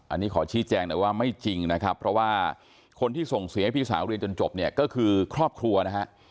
อันนี้ขอชี้แจงหน่อยว่าไม่จริงนะครับเพราะว่าคนที่ส่งเสียให้พี่สาวเรียนจนจบเนี่ยก็คือครอบครัวนะฮะ